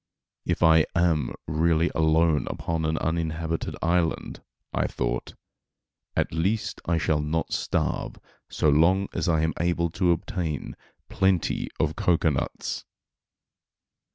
"If I am really alone upon an uninhabited island," I thought, "at least I shall not starve so long as I am able to obtain plenty of cocoanuts."